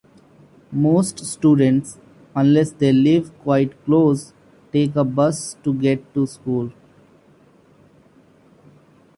Most students, unless they live quite close, take a bus to get to school.